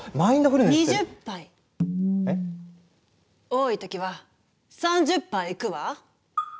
多い時は３０杯いくわ。